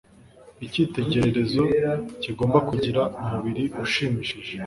Icyitegererezo kigomba kugira umubiri ushimishije.